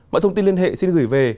mọi thông tin liên hệ xin gửi về